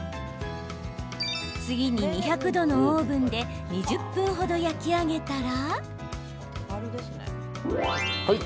次に２００度のオーブンで２０分程、焼き上げたら。